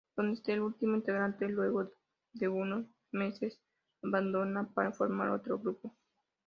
Donde este último integrante, luego de unos meses, abandona, para formar otro grupo.